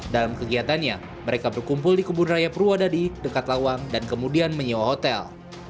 dalam kegiatannya mereka berkumpul di kebun raya purwadadi dekat lawang dan kemudian menyewa hotel